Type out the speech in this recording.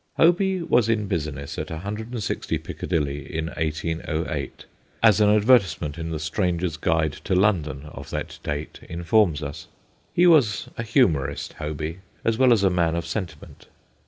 Hoby was in business at 160 Piccadilly in 1808, as an advertisement in The Stranger's Guide to London of that date informs us. He was a humorist, Hoby, as well as a man of sentiment.